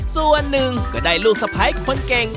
ส่วนหนึ่งก็ได้ลูกสะพ้ายคนเก่ง